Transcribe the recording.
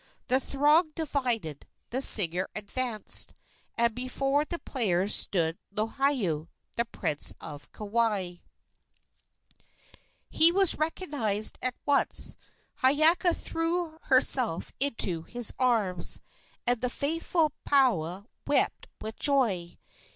The throng divided, the singer advanced, and before the players stood Lohiau, the prince of Kauai. He was recognized at once. Hiiaka threw herself into his arms, and the faithful Paoa wept with joy.